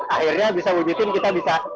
akhirnya bisa wujudin kita bisa